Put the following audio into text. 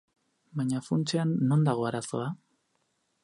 Baina funtsean, non dago arazoa?